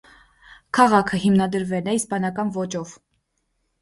Քաղաքը հիմնադրվել է իսպանական ոճով։